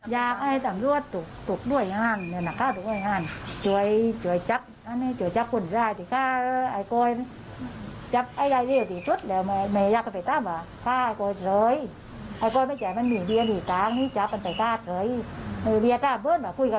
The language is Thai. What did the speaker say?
อย่างนี้ที่เมื่อมาคุยกับแม่ด้านนี้นะ